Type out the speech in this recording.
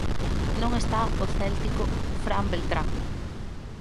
Non está o céltico Fran Beltrán.